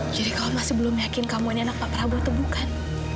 jadi kamu masih belum yakin kamu ini anak papa prabu atau bukan